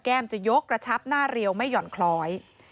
จะยกระชับหน้าเรียวไม่ห่อนคล้อย